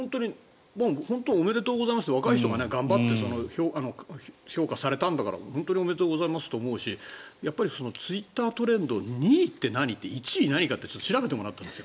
本当におめでとうございますで若い人が頑張って評価されたんだから本当におめでとうございますと思いますしやっぱり、ツイッタートレンド２位って何？って１位は何かって調べてもらったんです。